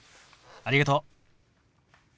ありがとう。